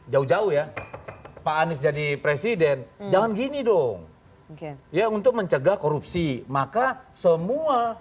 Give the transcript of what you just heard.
jauh jauh ya pak anies jadi presiden jangan gini dong ya untuk mencegah korupsi maka semua